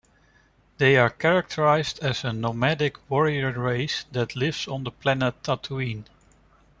They are characterized as a nomadic warrior race that lives on the planet Tatooine.